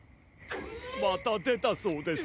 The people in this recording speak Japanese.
また出たそうです。